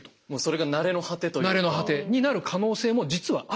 成れの果てになる可能性も実はあるんですよ。